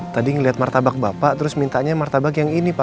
tadi ngeliat martabak bapak terus mintanya martabak yang ini pak